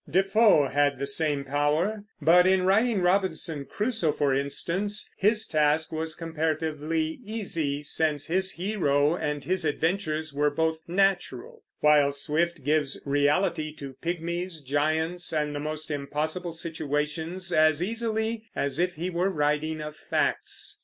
Defoe had the same power; but in writing Robinson Crusoe, for instance, his task was comparatively easy, since his hero and his adventures were both natural; while Swift gives reality to pygmies, giants, and the most impossible situations, as easily as if he were writing of facts.